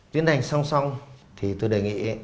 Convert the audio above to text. tiến hành song song tôi đề nghị